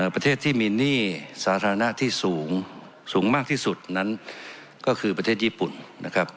ประเทศที่มีหนี้สาธารณะที่สูงสูงมากที่สุดนั้นก็คือประเทศญี่ปุ่นนะครับ